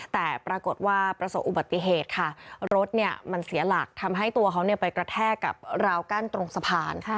แต่ปรากฏว่าประสบอุบัติเหตุค่ะรถเนี่ยมันเสียหลักทำให้ตัวเขาไปกระแทกกับราวกั้นตรงสะพาน